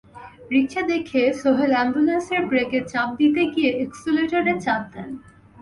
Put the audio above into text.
রিকশা দেখে সোহেল অ্যাম্বুলেন্সের ব্রেকে চাপ দিতে গিয়ে এক্সেলেটরে চাপ দেন।